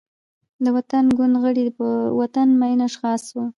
د وطن ګوند غړي، په وطن مین اشخاص وو.